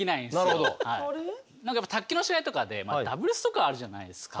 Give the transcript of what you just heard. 何かやっぱ卓球の試合とかでダブルスとかあるじゃないですか。